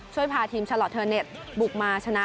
ช่วยพาทีมชาลอทเทอร์เนสบุกมาชนะ